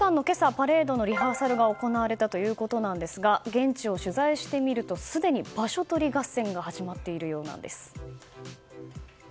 パレードのリハーサルが行われたということですが現地を取材してみるとすでに場所取り合戦が始まっているようなんです。